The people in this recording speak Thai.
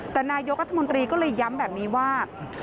แต่นายกรทมก็เลยย้ำแบบนี้ว่า